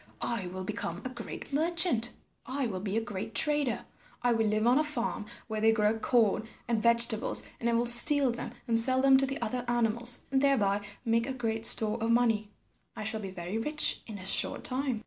I will become a great merchant. I will be a great trader. I will live on a farm where they grow corn and vegetables, and I will steal them and sell them to the other animals and thereby make a great store of money. I shall be very rich in a short time."